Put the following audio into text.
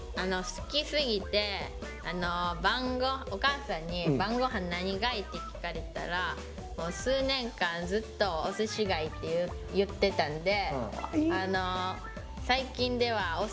好きすぎてお母さんに晩御飯何がいい？って聞かれたらもう数年間ずっとお寿司がいいって言ってたんで。